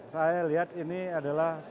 saya lihat ini adalah